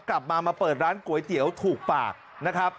กลับมามาเปิดร้านก๋วยเตี๋ยวถูกปากนะครับ